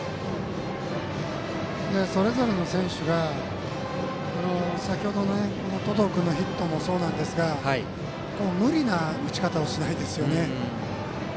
それぞれの選手が先程の登藤君のヒットもそうなんですが無理な打ち方をしないですよね。